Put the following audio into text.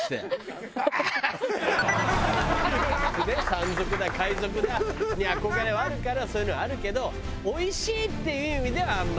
山賊だ海賊だに憧れはあるからそういうのはあるけどおいしいっていう意味ではあんまり。